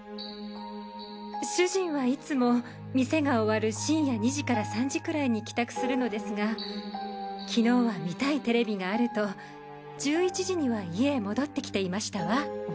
主人はいつも店が終わる深夜２時から３時くらいに帰宅するのですが昨日は見たいテレビがあると１１時には家へ戻ってきていましたわ。